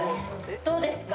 どうですか？